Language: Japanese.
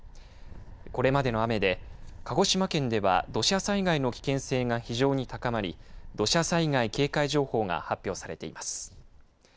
これまでの雨で鹿児島県では土砂災害の危険性が非常に高まり土砂災害警戒情報が発表されています。